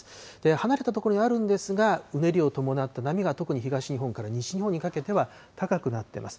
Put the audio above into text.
離れた所にあるんですが、うねりを伴って波が特に東日本から西日本にかけては高くなってます。